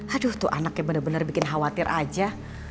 aduh tuh anaknya bener bener bikin khawatir aja